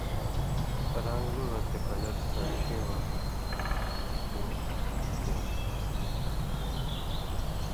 ران٘گ لُوہہۡ تے پن٘ڈر، آن٘ڇھی واں مُݜُو کِݜیُوں،